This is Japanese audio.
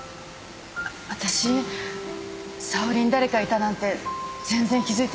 私沙織に誰かいたなんて全然気付いてなくて。